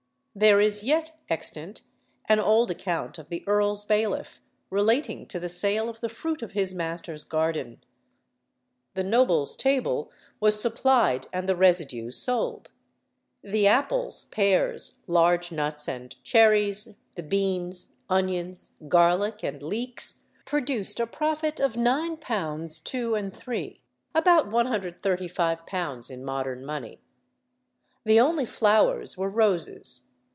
There is yet extant an old account of the earl's bailiff, relating to the sale of the fruit of his master's garden. The noble's table was supplied and the residue sold. The apples, pears, large nuts, and cherries, the beans, onions, garlic, and leeks, produced a profit of £9: 2: 3 (about £135 in modern money). The only flowers were roses.